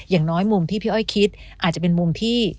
อย่างน้อยมุมที่พี่อ้อยคิดอาจจะเป็นมุมที่